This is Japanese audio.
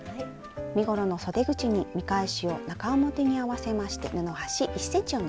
身ごろのそで口に見返しを中表に合わせまして布端１ｃｍを縫います。